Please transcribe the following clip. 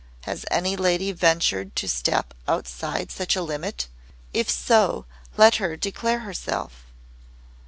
Has any lady ventured to step outside such a limit? If so, let her declare herself!"